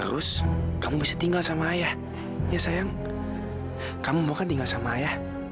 lu nak lihat tamu kamu di apa apaé